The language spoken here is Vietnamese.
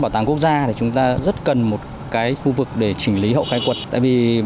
trong công tác bảo quản thì